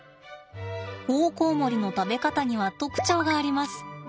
オオコウモリの食べ方には特徴があります。